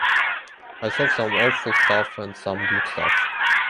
I saw some awful stuff and some good stuff.